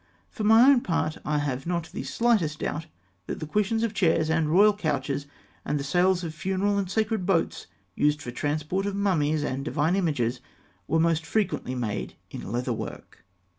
For my own part, I have not the slightest doubt that the cushions of chairs and royal couches, and the sails of funeral and sacred boats used for the transport of mummies and divine images, were most frequently made in leather work.